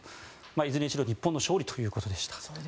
いずれにしろ日本の勝利ということでした。